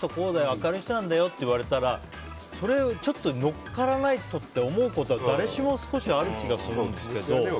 明るい人なんだよって言われたらそれは乗っからないとって思うことは誰しも少しある気がするんですけど。